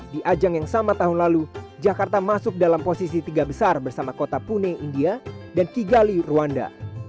di ajang yang sama tahun lalu jakarta masuk dalam posisi tiga besar bersama kota pune india dan kigali rwanda